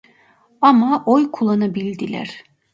Ama oy kullanabildiler.